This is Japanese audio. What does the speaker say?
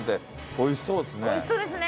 おいしそうですね。